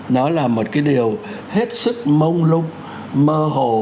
nó là một cái điều hết sức mông lung mơ hồ